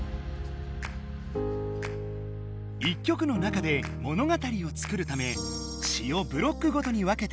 １曲の中でものがたりを作るため詞をブロックごとに分けて書き